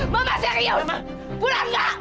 mama serius pulang ma